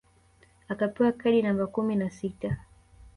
Akapewa kadi namba kumi na sita